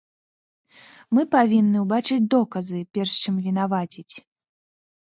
Мы павінны ўбачыць доказы, перш чым вінаваціць.